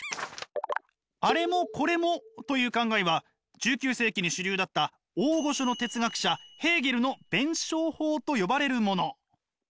「あれもこれも」という考えは１９世紀に主流だった大御所の哲学者ヘーゲルの弁証法と呼ばれるもの。